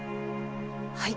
はい。